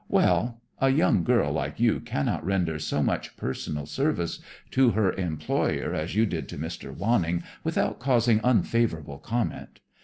"Well, a young girl like you cannot render so much personal service to her employer as you did to Mr. Wanning without causing unfavorable comment.